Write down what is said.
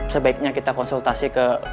sebaiknya kita konsultasi ke